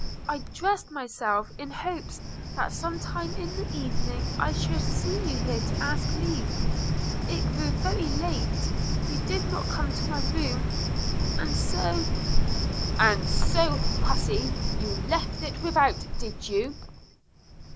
I dressed myself in hopes that some time in the evening I should see you to ask leave – it grew very late, you did not come to my room, and so –' 'And so, hussey, you left it without, did you?'